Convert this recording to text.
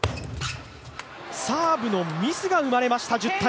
サーブのミスが生まれました。